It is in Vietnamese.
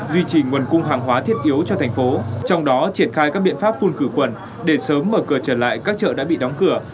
duy trì nguồn cung hàng hóa thiết yếu cho thành phố trong đó triển khai các biện pháp phun khử quần để sớm mở cửa trở lại các chợ đã bị đóng cửa